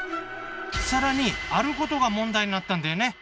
更にあることが問題になったんだよね。